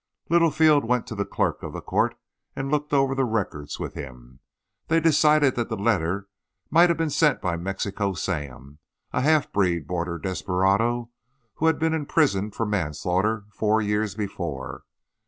Littlefield went to the clerk of the court and looked over the records with him. They decided that the letter might have been sent by Mexico Sam, a half breed border desperado who had been imprisoned for manslaughter four years before.